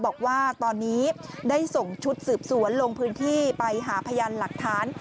บอกว่าตอนนี้ได้ส่งชุดสืบสวนลงพื้นที่ไปหาพยานหลักฐาน